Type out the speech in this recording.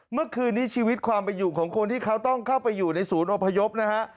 เมื่อคืนนี้ชีวิตความไปอยู่ของคนที่เขาต้องเข้าไปอยู่ในศูนย์อพยพนะฮะ